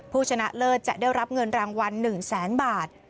ผู้ชนะเลิศจะได้รับเงินรางวัล๑๐๐๐๐๐บาท